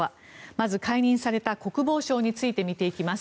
まず解任された国防相について見ていきます。